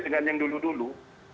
dengan yang dulu dulu